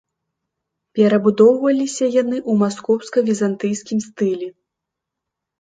Перабудоўваліся яны ў маскоўска-візантыйскім стылі.